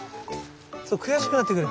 そう悔しくなってくる。